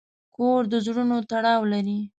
کور د زړونو تړاو لري.